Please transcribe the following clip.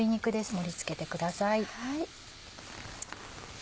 盛り付けてください。